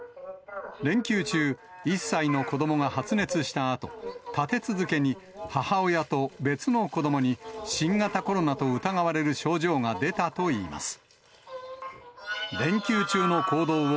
連休中、１歳の子どもが発熱したあと、立て続けに母親と別の子どもに新型コロナと疑われる症状が出たといいます。